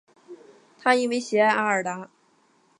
他因为喜爱阿尔达。